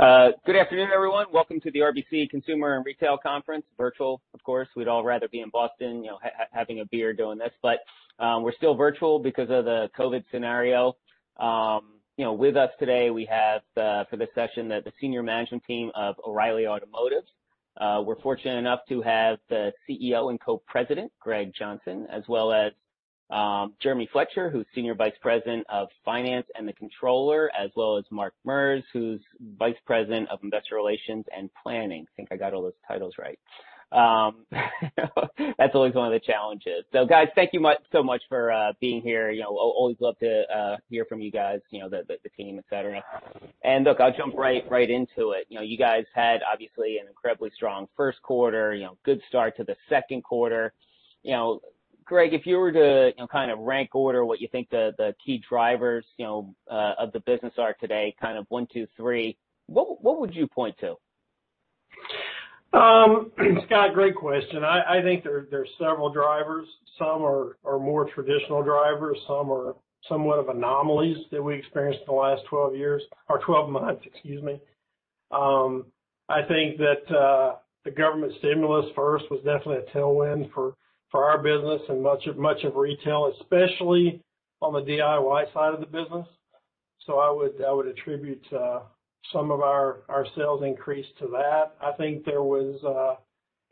Good afternoon, everyone. Welcome to the RBC Consumer and Retail Conference, virtual, of course. We'd all rather be in Boston, you know, having a beer doing this. We're still virtual because of the COVID scenario. With us today, we have, for this session, the senior management team of O'Reilly Automotive. We're fortunate enough to have the CEO and Co-President, Greg Johnson, as well as Jeremy Fletcher, who's Senior Vice President of Finance and the Controller, as well as Mark Merz, who's Vice President of Investor Relations and Planning. I think I got all those titles right. That's always one of the challenges. Guys, thank you so much for being here. Always love to hear from you guys, you know, the team, et cetera. I'll jump right into it. You guys had, obviously, an incredibly strong first quarter, good start to the second quarter. Greg, if you were to kind of rank order what you think the key drivers of the business are today, kind of one, two, three, what would you point to? Great question. I think there are several drivers. Some are more traditional drivers, and some are somewhat of anomalies that we experienced in the last 12 years, or 12 months, excuse me. I think that the government stimulus first was definitely a tailwind for our business and much of retail, especially on the DIY side of the business. I would attribute some of our sales increase to that. I think there was,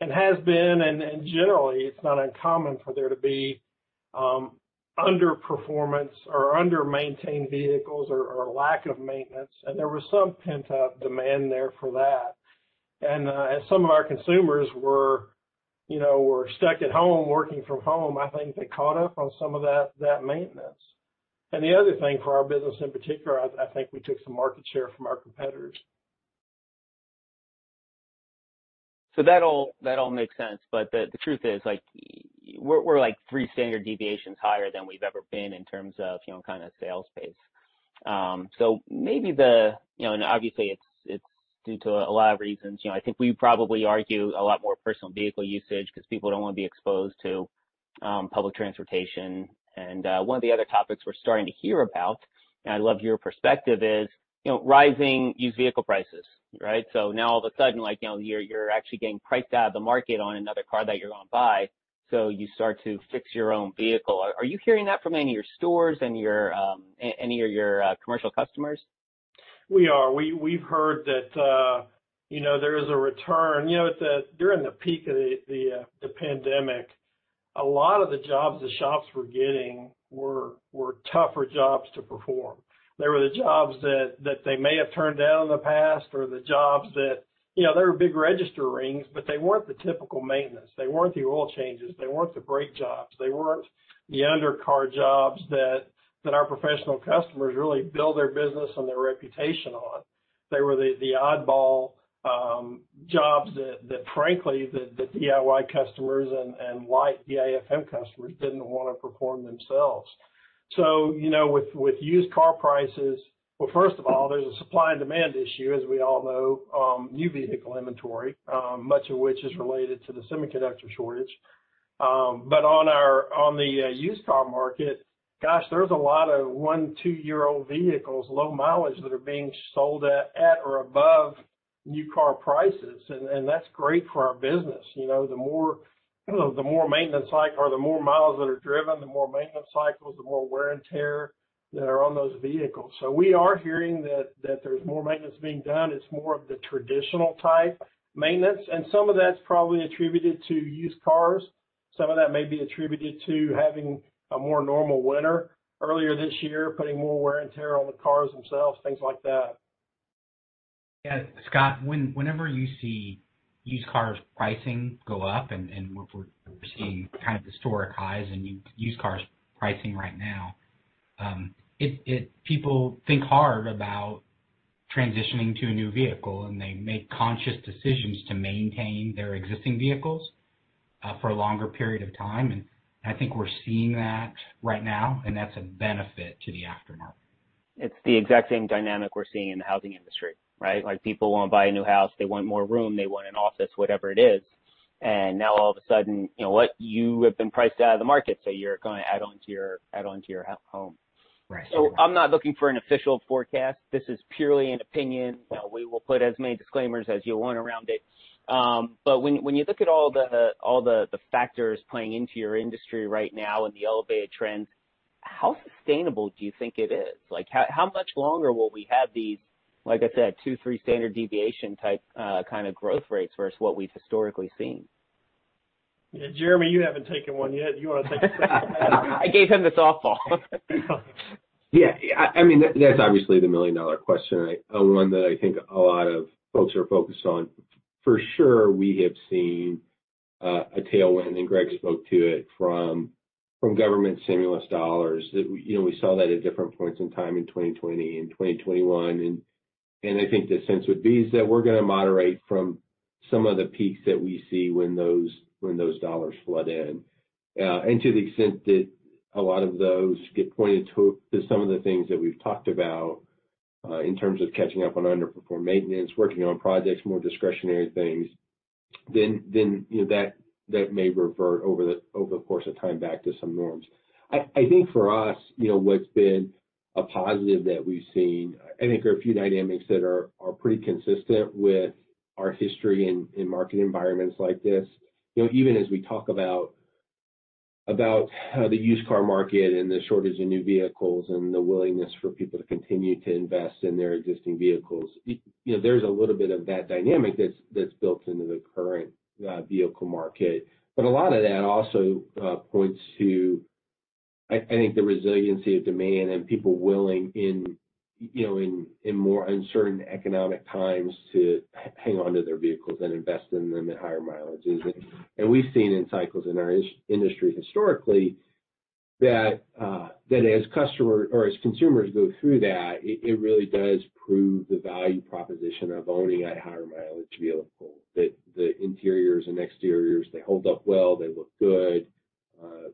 and has been, and generally, it's not uncommon for there to be underperformance or undermaintained vehicles or lack of maintenance. There was some pent-up demand there for that. As some of our consumers were stuck at home working from home, I think they caught up on some of that maintenance. The other thing for our business in particular, I think we took some market share from our competitors. That all makes sense. The truth is, we're like three standard deviations higher than we've ever been in terms of sales pace. Obviously, it's due to a lot of reasons. I think we probably argue a lot more personal vehicle usage because people don't want to be exposed to public transportation. One of the other topics we're starting to hear about, and I'd love your perspective, is rising used vehicle prices, right? Now, all of a sudden, you're actually getting priced out of the market on another car that you're going to buy, so you start to fix your own vehicle. Are you hearing that from any of your stores and any of your commercial customers? We are. We've heard that there is a return. During the peak of the pandemic, a lot of the jobs the shops were getting were tougher jobs to perform. They were the jobs that they may have turned down in the past or the jobs that were big register rings, but they weren't the typical maintenance. They weren't the oil changes. They weren't the brake jobs. They weren't the undercar jobs that our professional customers really built their business and their reputation on. They were the oddball jobs that, frankly, the DIY customers and light DIFM customers didn't want to perform themselves. With used car prices, first of all, there's a supply and demand issue, as we all know, new vehicle inventory, much of which is related to the semiconductor shortage. On the used car market, there is a lot of one, two-year-old vehicles, low mileage, that are being sold at or above new car prices. That's great for our business. The more maintenance cycle, or the more miles that are driven, the more maintenance cycles, the more wear and tear that are on those vehicles. We are hearing that there's more maintenance being done. It's more of the traditional type maintenance. Some of that's probably attributed to used cars. Some of that may be attributed to having a more normal winter earlier this year, putting more wear and tear on the cars themselves, things like that. Yeah, Scot, whenever you see used cars' pricing go up, and we're seeing kind of historic highs in used cars' pricing right now, people think hard about transitioning to a new vehicle. They make conscious decisions to maintain their existing vehicles for a longer period of time. I think we're seeing that right now, and that's a benefit to the aftermarket. It's the exact same dynamic we're seeing in the housing industry, right? People want to buy a new house. They want more room. They want an office, whatever it is. Now, all of a sudden, you know what? You have been priced out of the market, so you're going to add on to your home. Right. I'm not looking for an official forecast. This is purely an opinion. We will put as many disclaimers as you want around it. When you look at all the factors playing into your industry right now and the elevated trends, how sustainable do you think it is? How much longer will we have these, like I said, two, three standard deviation type kind of growth rates versus what we've historically seen? Jeremy, you haven't taken one yet. You want to take a stab? I gave him the softball. Yeah, I mean, that's obviously the million-dollar question, one that I think a lot of folks are focused on. For sure, we have seen a tailwind, and Greg spoke to it, from government stimulus dollars. We saw that at different points in time in 2020 and 2021. I think the sense would be that we're going to moderate from some of the peaks that we see when those dollars flood in. To the extent that a lot of those get pointed to some of the things that we've talked about in terms of catching up on underperformed maintenance, working on projects, more discretionary things, then that may revert over the course of time back to some norms. I think for us, what's been a positive that we've seen, I think there are a few dynamics that are pretty consistent with our history in market environments like this. Even as we talk about the used car market and the shortage of new vehicles and the willingness for people to continue to invest in their existing vehicles, there's a little bit of that dynamic that's built into the current vehicle market. A lot of that also points to, I think, the resiliency of demand and people willing, in more uncertain economic times, to hang on to their vehicles and invest in them at higher mileages. We've seen in cycles in our industry historically that as customers or as consumers go through that, it really does prove the value proposition of owning a higher mileage vehicle. The interiors and exteriors, they hold up well. They look good.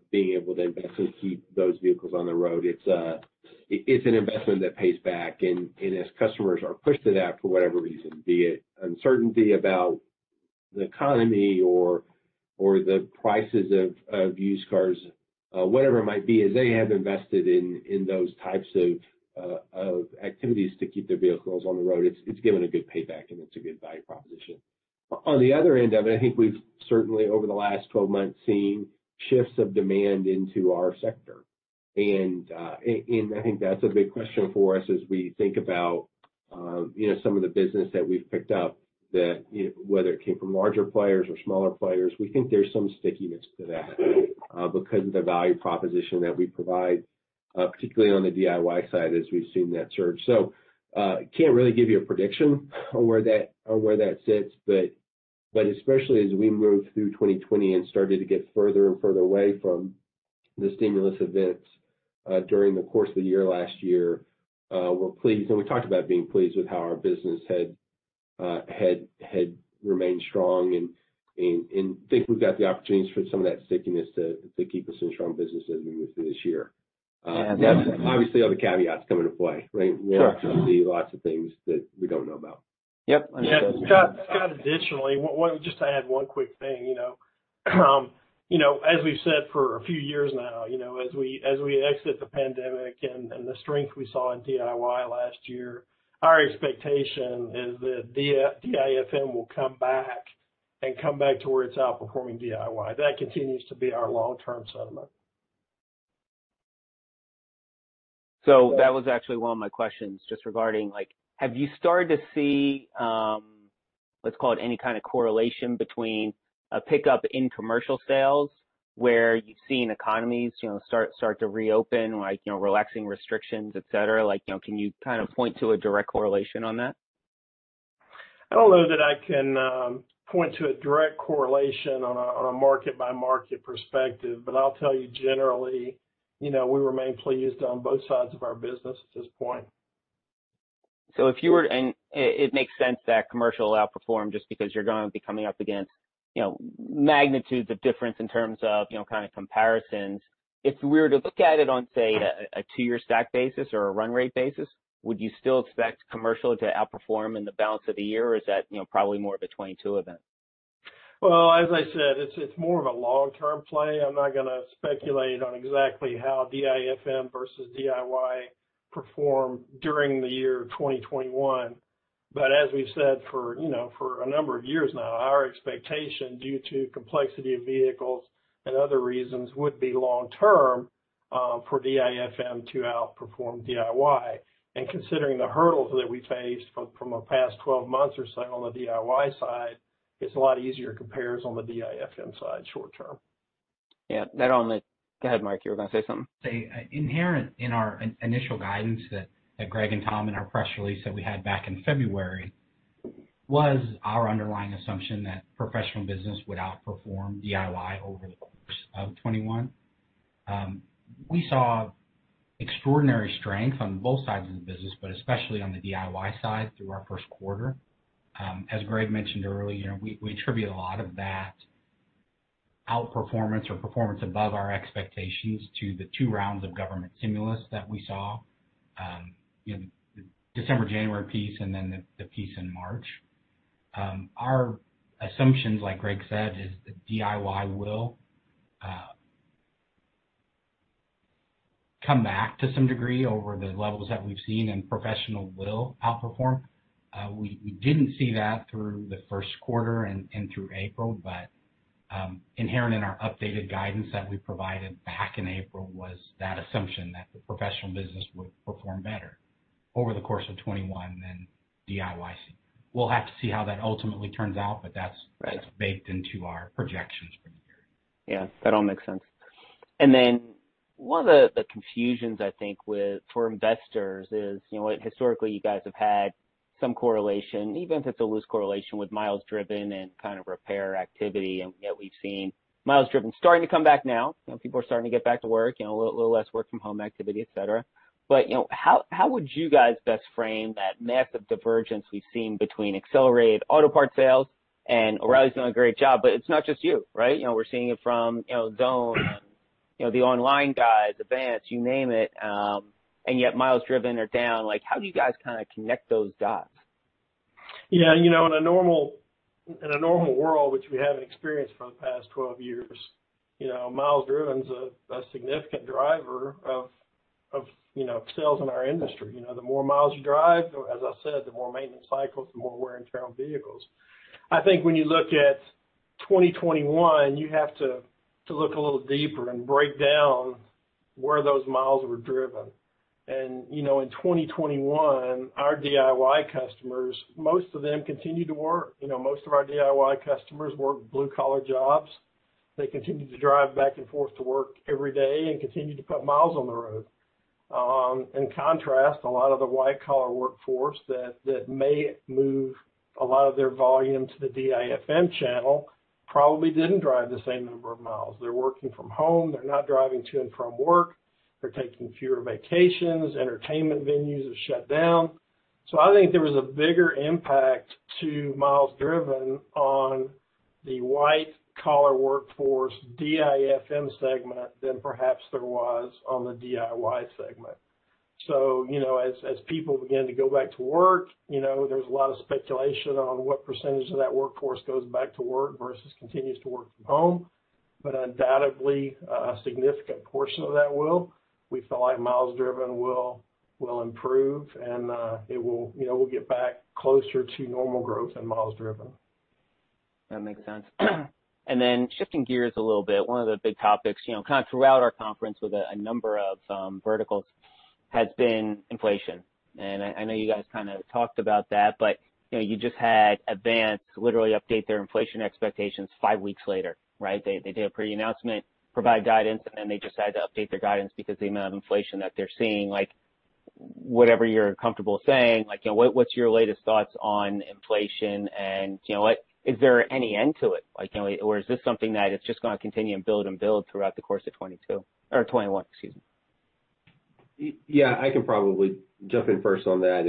Being able to invest and keep those vehicles on the road, it's an investment that pays back. As customers are pushed to that for whatever reason, be it uncertainty about the economy or the prices of used cars, whatever it might be, as they have invested in those types of activities to keep their vehicles on the road, it's given a good payback. It's a good value proposition. On the other end of it, I think we've certainly, over the last 12 months, seen shifts of demand into our sector. I think that's a big question for us as we think about some of the business that we've picked up, whether it came from larger players or smaller players. We think there's some stickiness to that because of the value proposition that we provide, particularly on the DIY side, as we've seen that surge. I can't really give you a prediction on where that sits. Especially as we moved through 2020 and started to get further and further away from the stimulus events during the course of the year last year, we're pleased. We talked about being pleased with how our business had remained strong. I think we've got the opportunities for some of that stickiness to keep us in a strong business as we move through this year. Yeah, that's. Obviously, all the caveats come into play, right? We'll have to review lots of things that we don't know about. Yep. Scot, additionally, just to add one quick thing, as we've said for a few years now, as we exit the pandemic and the strength we saw in DIY last year, our expectation is that DIFM will come back and come back to where it's outperforming DIY. That continues to be our long-term sentiment. That was actually one of my questions, just regarding, like, have you started to see, let's call it, any kind of correlation between a pickup in commercial sales, where you've seen economies start to reopen, like, you know, relaxing restrictions, et cetera? Like, you know, can you kind of point to a direct correlation on that? I don't know that I can point to a direct correlation on a market-by-market perspective. I'll tell you, generally, we remain pleased on both sides of our business at this point. If you were, and it makes sense that commercial outperformed just because you're going to be coming up against magnitudes of difference in terms of comparisons. If we were to look at it on, say, a two-year stack basis or a run rate basis, would you still expect commercial to outperform in the balance of the year? Or is that probably more of a 2022 event? As I said, it's more of a long-term play. I'm not going to speculate on exactly how DIFM versus DIY performed during the year 2021. As we've said for a number of years now, our expectation, due to the complexity of vehicles and other reasons, would be long-term for DIFM to outperform DIY. Considering the hurdles that we've faced from the past 12 months or so on the DIY side, it's a lot easier to compare on the DIFM side short term. Yeah, not only, go ahead, Mark. You were going to say something. Inherent in our initial guidance that Greg and Tom in our press release that we had back in February was our underlying assumption that professional business would outperform DIY over the course of 2021. We saw extraordinary strength on both sides of the business, but especially on the DIY side through our first quarter. As Greg mentioned earlier, we attribute a lot of that outperformance or performance above our expectations to the two rounds of government stimulus that we saw, the December-January piece and then the piece in March. Our assumptions, like Greg said, is that DIY will come back to some degree over the levels that we've seen and professional will outperform. We didn't see that through the first quarter and through April. Inherent in our updated guidance that we provided back in April was that assumption that the professional business would perform better over the course of 2021 than DIY. We'll have to see how that ultimately turns out. That's baked into our projections for the year. Yeah, that all makes sense. One of the confusions, I think, for investors is, you know, historically, you guys have had some correlation, even if it's a loose correlation, with miles driven and kind of repair activity. Yet we've seen miles driven starting to come back now. People are starting to get back to work, you know, a little less work-from-home activity, et cetera. You know, how would you guys best frame that massive divergence we've seen between accelerated auto parts sales? O'Reilly's done a great job. It's not just you, right? You know, we're seeing it from, you know, the online guys, the banks, you name it. Yet miles driven are down. How do you guys kind of connect those dots? Yeah, you know, in a normal world, which we haven't experienced for the past 12 years, miles driven is a significant driver of sales in our industry. The more miles you drive, as I said, the more maintenance cycles, the more wear and tear on vehicles. I think when you look at 2021, you have to look a little deeper and break down where those miles were driven. In 2021, our DIY customers, most of them continued to work. Most of our DIY customers weren't blue-collar jobs. They continued to drive back and forth to work every day and continued to put miles on the road. In contrast, a lot of the white-collar workforce that may move a lot of their volume to the DIFM channel probably didn't drive the same number of miles. They're working from home. They're not driving to and from work. They're taking fewer vacations. Entertainment venues have shut down. I think there was a bigger impact to miles driven on the white-collar workforce DIFM segment than perhaps there was on the DIY segment. As people begin to go back to work, there's a lot of speculation on what percentage of that workforce goes back to work versus continues to work from home. Undoubtedly, a significant portion of that will. We feel like miles driven will improve, and it will get back closer to normal growth in miles driven. That makes sense. Shifting gears a little bit, one of the big topics throughout our conference with a number of verticals has been inflation. I know you guys talked about that. You just had a bank literally update their inflation expectations five weeks later, right? They did a pre-announcement, provide guidance, and then they decided to update their guidance because of the amount of inflation that they're seeing. Whatever you're comfortable saying, what's your latest thoughts on inflation? Is there any end to it, or is this something that is just going to continue and build and build throughout the course of 2022 or 2021, excuse me? Yeah, I can probably jump in first on that.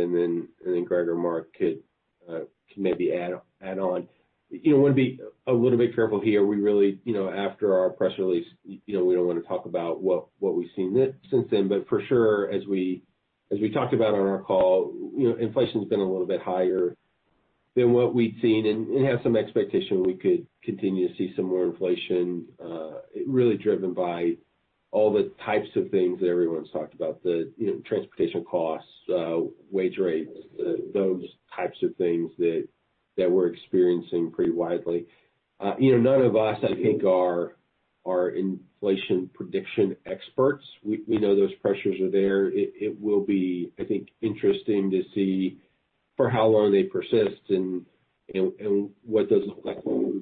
Greg or Mark could maybe add on. I want to be a little bit careful here. We really, after our press release, don't want to talk about what we've seen since then. For sure, as we talked about on our call, inflation has been a little bit higher than what we'd seen and have some expectation we could continue to see some more inflation, really driven by all the types of things that everyone's talked about, the transportation costs, wage rates, those types of things that we're experiencing pretty widely. None of us, I think, are inflation prediction experts. We know those pressures are there. It will be, I think, interesting to see for how long they persist and what those look like,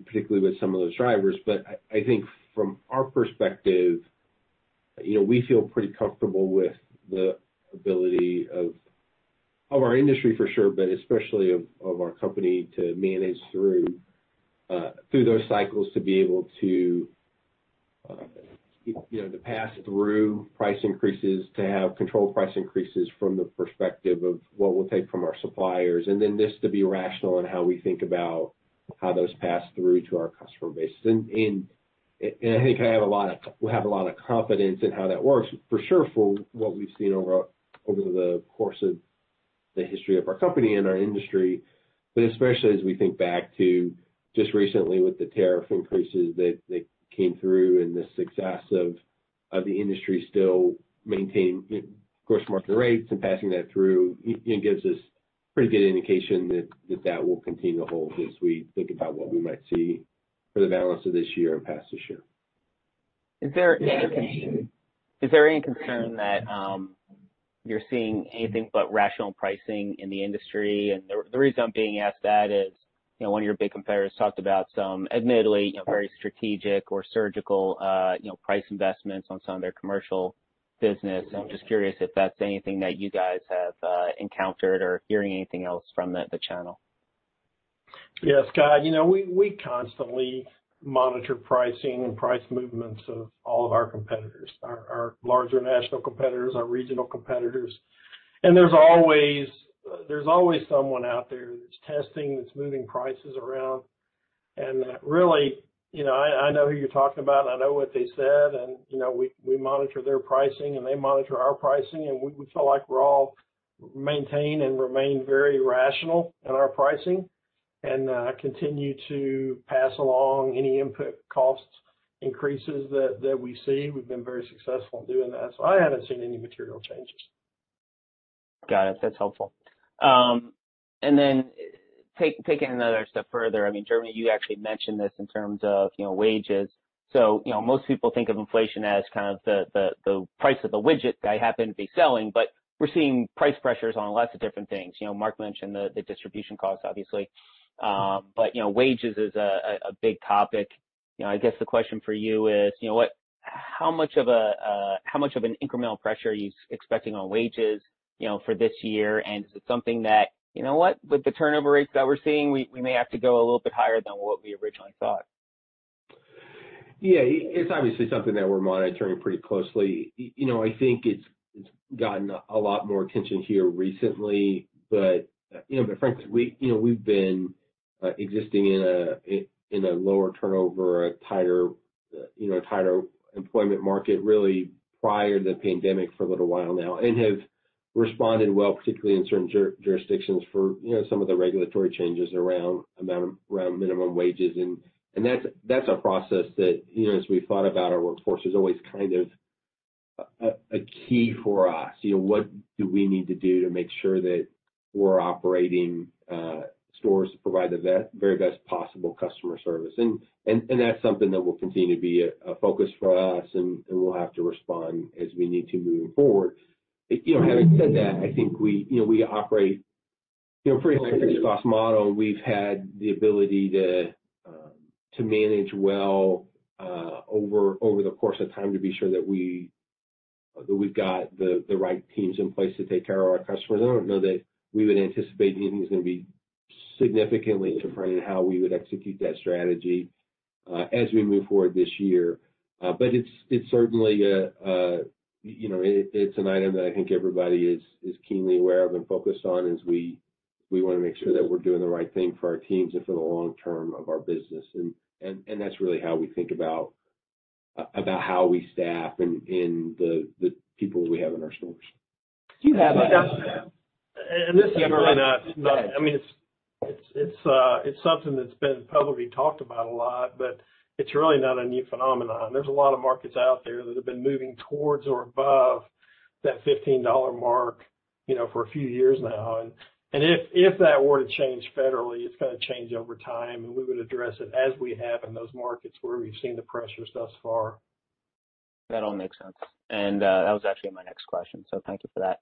particularly with some of those drivers. From our perspective, we feel pretty comfortable with the ability of our industry, for sure, but especially of our company, to manage through those cycles, to be able to pass through price increases, to have controlled price increases from the perspective of what we'll take from our suppliers, and then just to be rational in how we think about how those pass through to our customer bases. I think we have a lot of confidence in how that works, for sure, for what we've seen over the course of the history of our company and our industry, but especially as we think back to just recently with the tariff increases that came through and the success of the industry still maintaining gross market rates and passing that through, gives us a pretty good indication that that will continue to hold as we think about what we might see for the balance of this year and past this year. Is there any concern that you're seeing anything but rational pricing in the industry? The reason I'm being asked that is, you know, one of your big competitors talked about some, admittedly, very strategic or surgical price investments on some of their commercial business. I'm just curious if that's anything that you guys have encountered or hearing anything else from the channel. Yeah, Scot, you know, we constantly monitor pricing and price movements of all of our competitors, our larger national competitors, our regional competitors. There's always someone out there that's testing, that's moving prices around. I know who you're talking about. I know what they said. You know, we monitor their pricing. They monitor our pricing. We feel like we're all maintaining and remaining very rational in our pricing and continue to pass along any input cost increases that we see. We've been very successful in doing that. I haven't seen any material changes. Got it. That's helpful. Taking it another step further, Jeremy, you actually mentioned this in terms of wages. Most people think of inflation as kind of the price of the widget that I happen to be selling. We're seeing price pressures on lots of different things. Mark mentioned the distribution costs, obviously. Wages is a big topic. I guess the question for you is, how much of an incremental pressure are you expecting on wages for this year? Is it something that, with the turnover rates that we're seeing, we may have to go a little bit higher than what we originally thought? Yeah, it's obviously something that we're monitoring pretty closely. I think it's gotten a lot more attention here recently. Frankly, we've been existing in a lower turnover, a tighter employment market, really, prior to the pandemic for a little while now and have responded well, particularly in certain jurisdictions, for some of the regulatory changes around minimum wages. That's a process that, as we've thought about our workforce, is always kind of a key for us. What do we need to do to make sure that we're operating stores that provide the very best possible customer service? That's something that will continue to be a focus for us. We'll have to respond as we need to moving forward. Having said that, I think we operate a pretty high fixed cost model. We've had the ability to manage well over the course of time to be sure that we've got the right teams in place to take care of our customers. I don't know that we would anticipate anything is going to be significantly different in how we would execute that strategy as we move forward this year. It's certainly an item that I think everybody is keenly aware of and focused on as we want to make sure that we're doing the right thing for our teams and for the long term of our business. That's really how we think about how we staff and the people we have in our stores. This is really not, I mean, it's something that's been publicly talked about a lot. It's really not a new phenomenon. There are a lot of markets out there that have been moving towards or above that $15 mark for a few years now. If that were to change federally, it's going to change over time. We would address it as we have in those markets where we've seen the pressures thus far. That all makes sense. That was actually my next question, so thank you for that.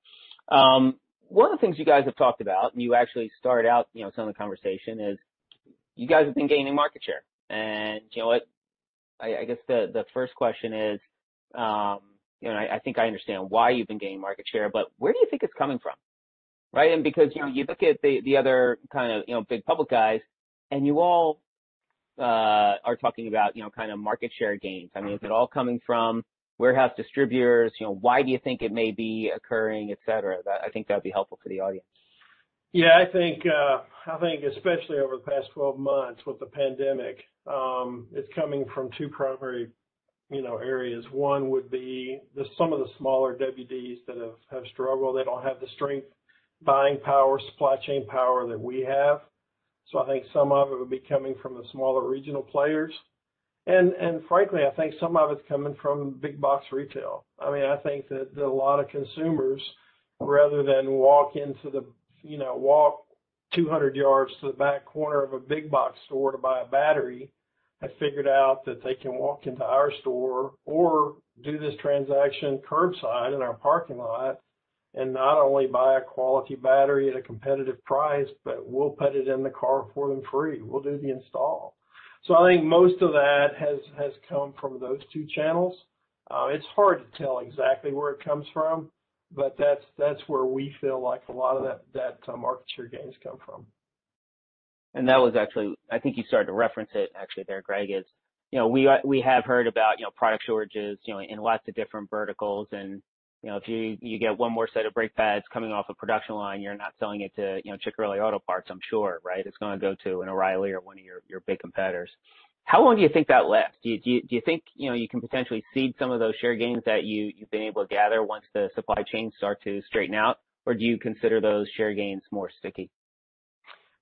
One of the things you guys have talked about, and you actually started out some of the conversation, is you guys have been gaining market share. You know what? I guess the first question is, I think I understand why you've been gaining market share, but where do you think it's coming from, right? You look at the other kind of big public guys, and you all are talking about kind of market share gains. Is it all coming from warehouse distributors? Why do you think it may be occurring, et cetera? I think that would be helpful for the audience. I think especially over the past 12 months with the pandemic, it's coming from two primary areas. One would be just some of the smaller warehouse distributors that have struggled. They don't have the strength, buying power, supply chain power that we have. I think some of it would be coming from the smaller regional players. Frankly, I think some of it's coming from big box retail. I think that a lot of consumers, rather than walk 200 yards to the back corner of a big box store to buy a battery, have figured out that they can walk into our store or do this transaction curbside in our parking lot and not only buy a quality battery at a competitive price, but we'll put it in the car for them free. We'll do the install. I think most of that has come from those two channels. It's hard to tell exactly where it comes from. That's where we feel like a lot of that market share gains come from. That was actually, I think you started to reference it actually there, Greg, you know, we have heard about product shortages in lots of different verticals. If you get one more set of brake pads coming off a production line, you're not selling it to, you know, Chick-fil-A Auto Parts, I'm sure, right? It's going to go to an O'Reilly or one of your big competitors. How long do you think that lasts? Do you think you can potentially see some of those share gains that you've been able to gather once the supply chains start to straighten out? Do you consider those share gains more sticky?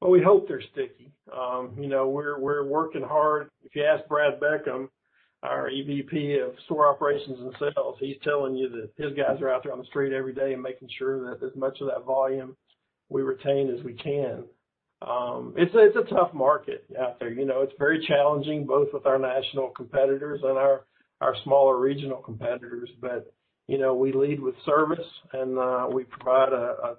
We hope they're sticky. You know, we're working hard. If you ask Brad Beckham, our EVP of Store Operations and Sales, he's telling you that his guys are out there on the street every day, making sure that as much of that volume we retain as we can. It's a tough market out there. It's very challenging, both with our national competitors and our smaller regional competitors. You know, we lead with service, and we provide a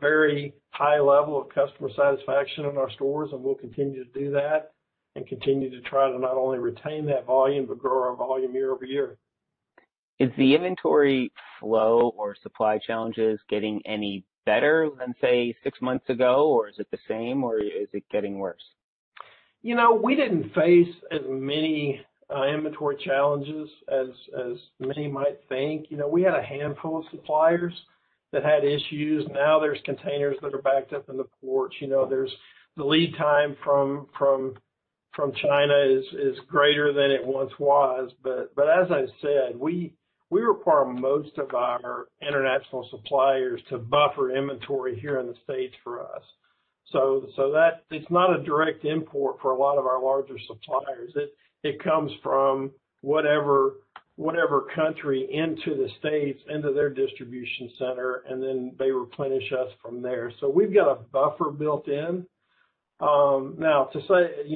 very high level of customer satisfaction in our stores. We'll continue to do that and continue to try to not only retain that volume but grow our volume year-over-year. Is the inventory flow or supply challenges getting any better than, say, six months ago? Is it the same? Is it getting worse? We didn't face as many inventory challenges as many might think. We had a handful of suppliers that had issues. Now, there are containers that are backed up in the ports. The lead time from China is greater than it once was. As I said, we require most of our international suppliers to buffer inventory here in the States for us. It's not a direct import for a lot of our larger suppliers. It comes from whatever country into the States, into their distribution center, and then they replenish us from there. We've got a buffer built in. To say,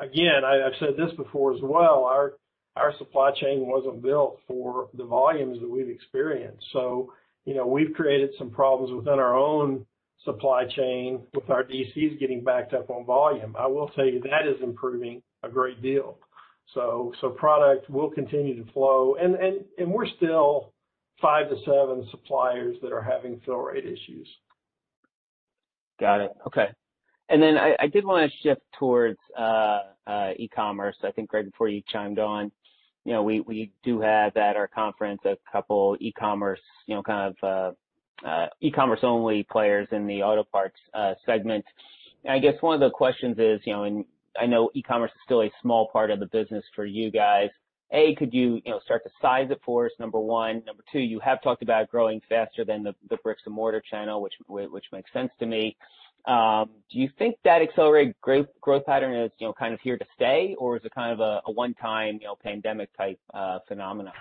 again, I've said this before as well, our supply chain wasn't built for the volumes that we've experienced. We've created some problems within our own supply chain with our DCs getting backed up on volume. I will tell you, that is improving a great deal. Product will continue to flow. We're still five to seven suppliers that are having fill rate issues. Got it. OK. I did want to shift towards e-commerce. I think, Greg, before you chimed on, you know, we do have at our conference a couple e-commerce, you know, kind of e-commerce-only players in the auto parts segment. I guess one of the questions is, you know, and I know e-commerce is still a small part of the business for you guys. A, could you, you know, start to size it for us, number one. Number two, you have talked about growing faster than the bricks-and-mortar channel, which makes sense to me. Do you think that accelerated growth pattern is, you know, kind of here to stay? Is it kind of a one-time pandemic-type phenomenon?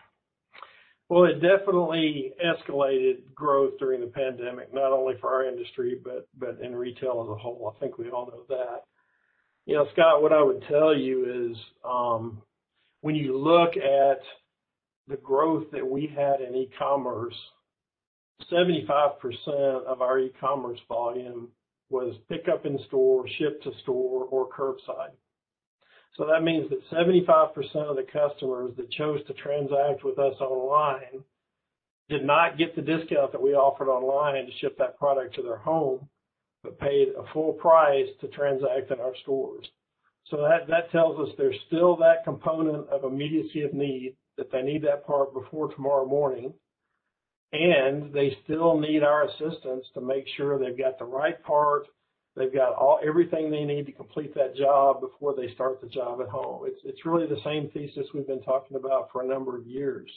It definitely escalated growth during the pandemic, not only for our industry, but in retail as a whole. I think we all know that. You know, Scot, what I would tell you is, when you look at the growth that we've had in e-commerce, 75% of our e-commerce volume was pickup in store, shipped to store, or curbside. That means that 75% of the customers that chose to transact with us online did not get the discount that we offered online to ship that product to their home but paid a full price to transact in our stores. That tells us there's still that component of immediacy of need that they need that part before tomorrow morning. They still need our assistance to make sure they've got the right part, they've got everything they need to complete that job before they start the job at home. It's really the same thesis we've been talking about for a number of years.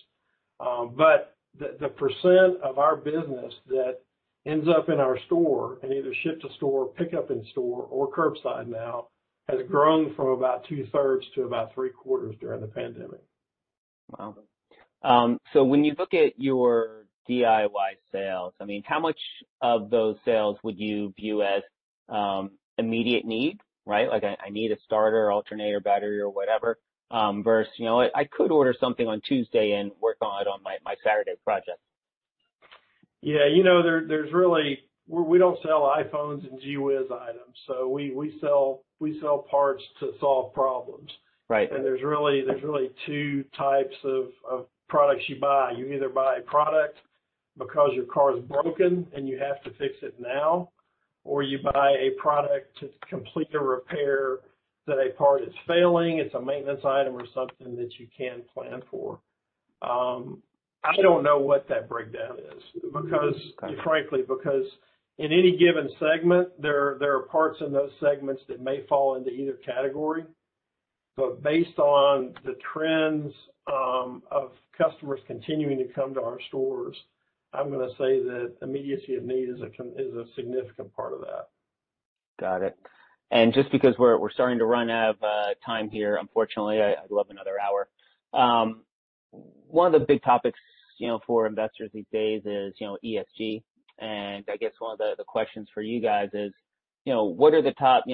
The percent of our business that ends up in our store and either shipped to store, pickup in store, or curbside now has grown from about 2/3 to about 3/4 during the pandemic. Wow. When you look at your DIY sales, how much of those sales would you view as immediate need, right? Like, I need a starter, alternator, battery, or whatever versus, you know, I could order something on Tuesday and work on it on my Saturday project. Yeah, you know, we don't sell iPhones and G-Wiz items. We sell parts to solve problems. Right. There are really two types of products you buy. You either buy a product because your car is broken and you have to fix it now, or you buy a product to complete a repair that a part is failing, it's a maintenance item, or something that you can plan for. I don't know what that breakdown is because, frankly, in any given segment, there are parts in those segments that may fall into either category. Based on the trends of customers continuing to come to our stores, I'm going to say that immediacy of need is a significant part of that. Got it. Just because we're starting to run out of time here, unfortunately, I'd love another hour. One of the big topics for investors these days is ESG. I guess one of the questions for you guys is, what are the top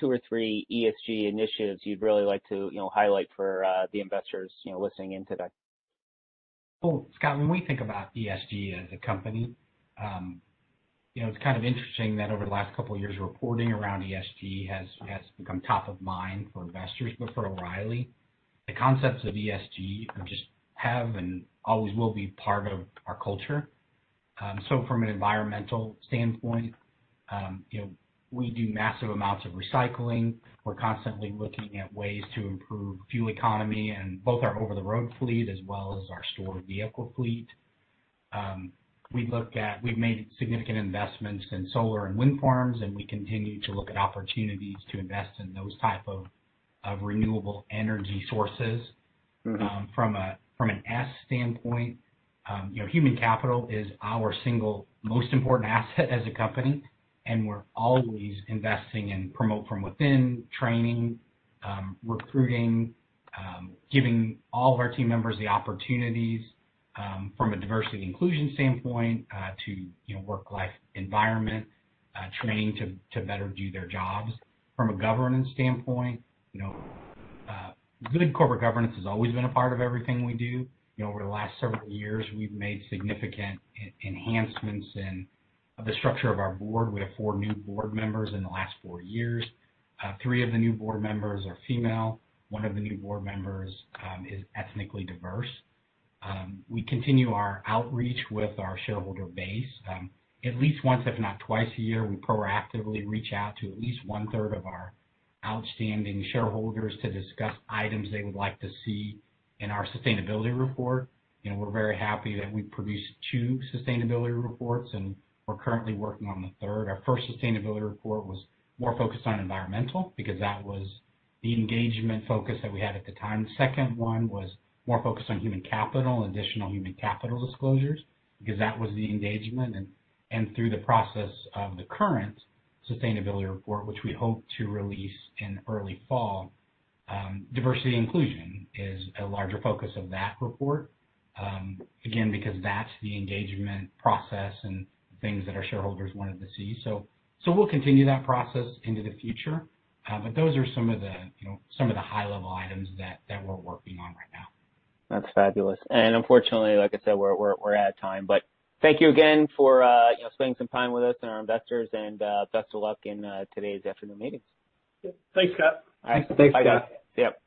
two or three ESG initiatives you'd really like to highlight for the investors listening in today? Scot, when we think about ESG as a company, it's kind of interesting that over the last couple of years, reporting around ESG has become top of mind for investors. For O'Reilly, the concepts of ESG just have and always will be part of our culture. From an environmental standpoint, we do massive amounts of recycling. We're constantly looking at ways to improve the fuel economy in both our over-the-road fleet as well as our store vehicle fleet. We've made significant investments in solar and wind farms. We continue to look at opportunities to invest in those types of renewable energy sources. From an S standpoint, human capital is our single most important asset as a company. We're always investing in promote from within, training, recruiting, giving all of our team members the opportunities from a diversity and inclusion standpoint to work-life environment, training to better do their jobs. From a governance standpoint, good corporate governance has always been a part of everything we do. Over the last several years, we've made significant enhancements in the structure of our board. We have four new board members in the last four years. Three of the new board members are female. One of the new board members is ethnically diverse. We continue our outreach with our shareholder base. At least once, if not twice a year, we proactively reach out to at least one-third of our outstanding shareholders to discuss items they would like to see in our sustainability report. We're very happy that we've produced two sustainability reports. We're currently working on the third. Our first sustainability report was more focused on environmental because that was the engagement focus that we had at the time. The second one was more focused on human capital and additional human capital disclosures because that was the engagement. Through the process of the current sustainability report, which we hope to release in early fall, diversity and inclusion is a larger focus of that report, again, because that's the engagement process and things that our shareholders wanted to see. We'll continue that process into the future. Those are some of the high-level items that we're working on right now. That's fabulous. Unfortunately, like I said, we're out of time. Thank you again for spending some time with us and our investors. Best of luck in today's afternoon meetings. Thanks, Scot. Thanks, guys. Yep.